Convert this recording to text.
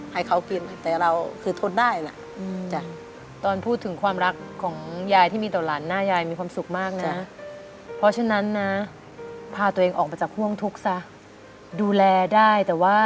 ให้เขากินแต่เราคือทดได้